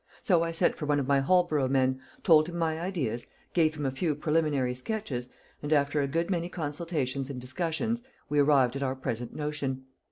So I sent for one of my Holborough men, told him my ideas, gave him a few preliminary sketches, and after a good many consultations and discussions, we arrived at our present notion.